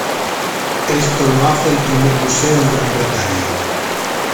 Esto lo hace el primer museo en Gran Bretaña.